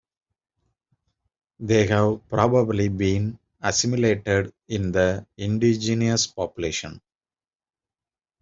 They have probably been assimilated in the indigenous population.